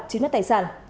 chính các tài sản